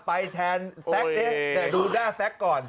ไปแทนแซกเด็กแต่ดูด้าแซกก่อน